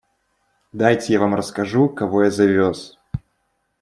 Дайте я вам расскажу, кого я завез.